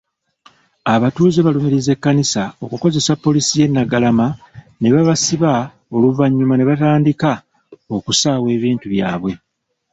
Abatuuze balumiriza Ekkanisa okukozesa poliisi y'e Naggalama ne babasiba oluvannyuma n'etandika okusaawa ebintu byabwe.